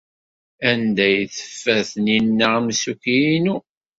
Anda ay teffer Taninna amsukki-inu?